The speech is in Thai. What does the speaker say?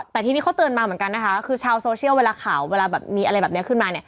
แต่ทีนี้เขาเตือนมาเหมือนกันนะคะคือชาวโซเชียลเวลาข่าวเวลาแบบมีอะไรแบบนี้ขึ้นมาเนี่ย